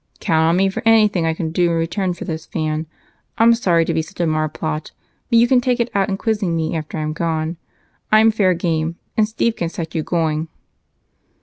"Count on me for anything I can do in return for this, Van. I'm sorry to be such a marplot, but you can take it out in quizzing me after I'm gone. I'm fair game, and Steve can set you going."